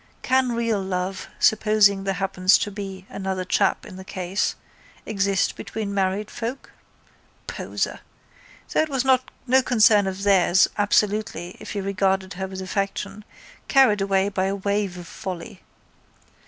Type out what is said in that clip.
Can real love, supposing there happens to be another chap in the case, exist between married folk? Poser. Though it was no concern of theirs absolutely if he regarded her with affection, carried away by a wave of folly.